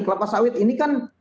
kelapa sawit ini kan